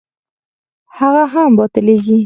هغه هم باطلېږي.